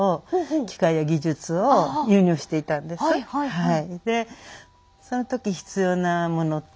はい。